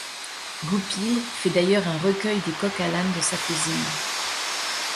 Goupil fait d’ailleurs un recueil des coqs-à-l’âne de sa cousine.